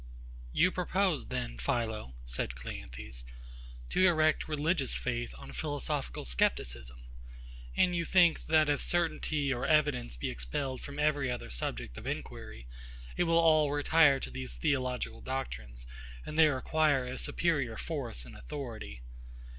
You propose then, PHILO, said CLEANTHES, to erect religious faith on philosophical scepticism; and you think, that if certainty or evidence be expelled from every other subject of inquiry, it will all retire to these theological doctrines, and there acquire a superior force and authority.